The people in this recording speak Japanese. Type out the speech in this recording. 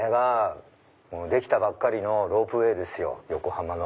出来たばっかりのロープウエーですよ横浜の。